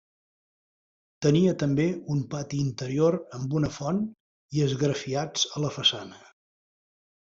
Tenia també un pati interior amb una font i esgrafiats de la façana.